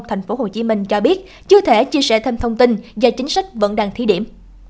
tp hcm cho biết chưa thể chia sẻ thêm thông tin do chính sách vẫn đang thí điểm